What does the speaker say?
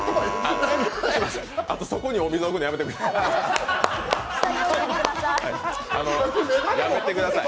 あと、そこにお水、置くのやめてください。